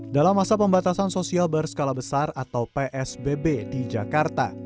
dalam masa pembatasan sosial berskala besar atau psbb di jakarta